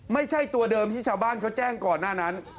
ไม่ใช่ตัวเดิมที่ชาวบ้านเขาแจ้งก่อนหน้านั้น